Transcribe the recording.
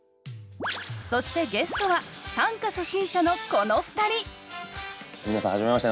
そしてゲストは短歌初心者のこの２人皆さんはじめまして。